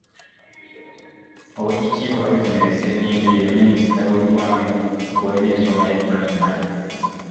Oweekitiibwa Rosemary Sseninde ye Minisita w'eggwanga ow'ebyensoma bya pulayimale.